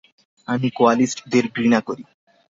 আমি কোয়ালিস্টদের ঘৃণা করি।